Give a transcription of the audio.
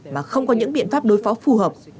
mà không có những biện pháp đối phó phù hợp